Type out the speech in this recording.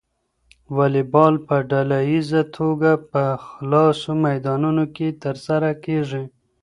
واليبال په ډله ییزه توګه په خلاصو میدانونو کې ترسره کیږي.